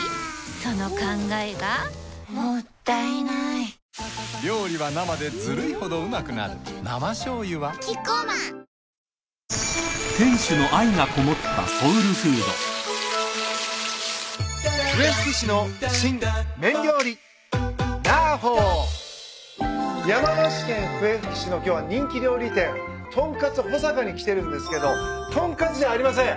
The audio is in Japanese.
その考えがもったいないジュー生しょうゆはキッコーマン山梨県笛吹市の今日は人気料理店とんかつほさかに来てるんですけど豚カツじゃありません。